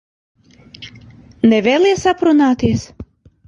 Nevēlies aprunāties?